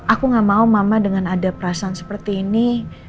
aku gak mau mama dengan ada perasaan seperti ini